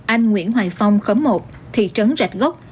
anh nguyễn hoài phong một thị trấn rạch gốc